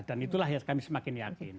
dan itulah kami semakin yakin